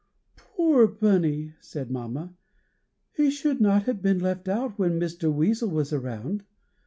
"Poor Bunny!" said mamma; "he should not have been left out when Mr. Weasel was around.